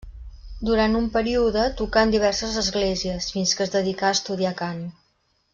Durant un període tocà en diverses esglésies, fins que es dedicà a estudiar cant.